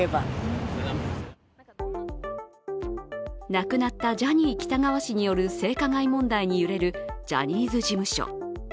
亡くなったジャニー喜多川氏による性加害問題に揺れるジャニーズ事務所。